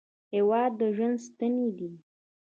هېواد د ژوند ستنې دي.